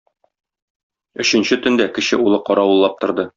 Өченче төндә кече улы каравыллап торды.